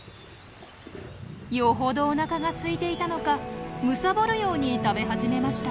よほどおなかがすいていたのかむさぼるように食べ始めました。